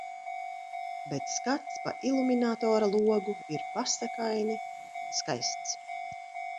Bet skats pa iluminatora logu ir paskani skaists.